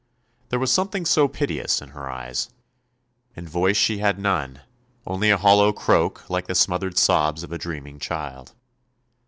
There was something so piteous in her eyes; and voice she had none, only a hollow croak like the smothered sobs of a dreaming child.